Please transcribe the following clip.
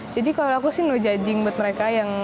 jadi kalau aku sih no judging buat mereka yang